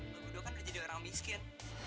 bang bodoh kan jadi orang miskin